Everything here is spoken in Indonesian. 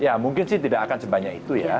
ya mungkin sih tidak akan sebanyak itu ya